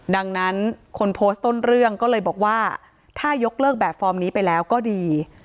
ดังนั้นคนโพสต์ต้นเรื่องก็เลยบอกว่าถ้ายกเลิกแบบฟอร์มนี้ไปแล้วก็ดี